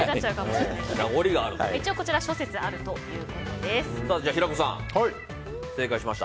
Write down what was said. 一応こちらは諸説あるということです。